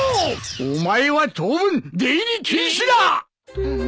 お前は当分出入り禁止だ！